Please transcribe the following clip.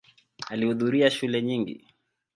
Alihudhuria shule nyingi.